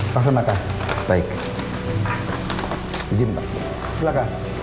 terima kasih pak